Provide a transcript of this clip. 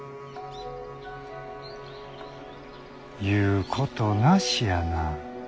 言うことなしやな。